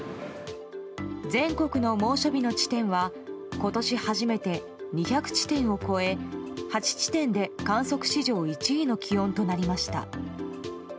全国の猛暑日の地点は今年初めて２００地点を超え８地点で観測史上１位の気温となりました。